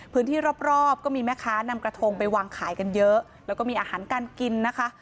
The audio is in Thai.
พื้นที่รอบก็มีแม่ค้านำกระทงไปวางขายกันเยอะแล้วก็มีอาหารการกินนะคะ